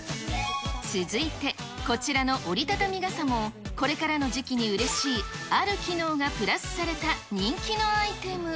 続いて、こちらの折り畳み傘も、これからの時期にうれしい、ある機能がプラスされた人気のアイテム。